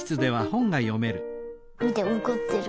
みておこってる。